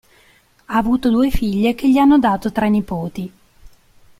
Ha avuto due figlie che gli hanno dato tre nipoti.